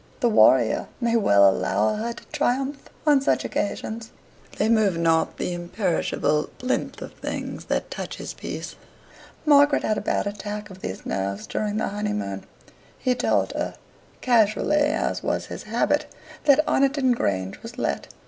The warrior may well allow her to triumph on such occasions; they move not the imperishable plinth of things that touch his peace. Margaret had a bad attack of these nerves during the honeymoon. He told her casually, as was his habit that Oniton Grange was let.